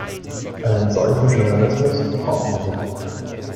Einen solchen Journalismus brauchen wir nicht!